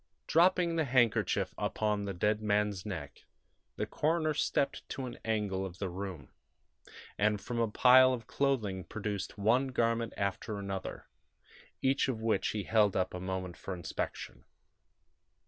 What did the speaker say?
Dropping the handkerchief upon the dead man's neck, the coroner stepped to an angle of the room, and from a pile of clothing produced one garment after another, each of which he held up a moment for inspection.